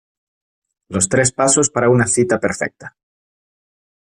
los tres pasos para una cita perfecta.